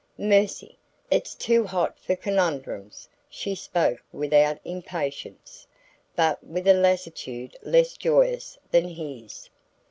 "Mercy! It's too hot for conundrums." She spoke without impatience, but with a lassitude less joyous than his.